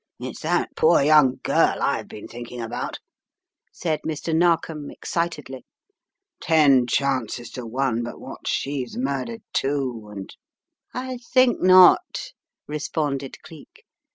It's that poor young girl I have been thinking about," said Mr. Narkom, excitedly. "Ten chances to one, but what she's murdered, too, and " "I think not," responded Cleek.